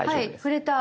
触れた。